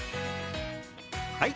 はい！